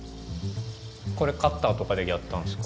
これカッターとかでやったんですか？